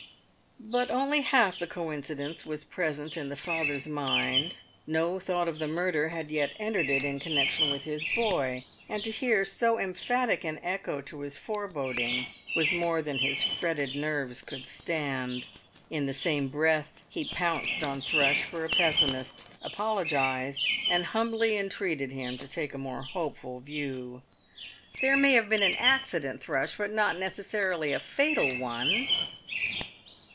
But only half the coincidence was present in the father's mind; no thought of the murder had yet entered it in connection with his boy; and to hear so emphatic an echo to his foreboding was more than his fretted nerves could stand. In the same breath he pounced on Thrush for a pessimist—apologised—and humbly entreated him to take a more hopeful view. "There may have been an accident, Thrush, but not necessarily a fatal one!"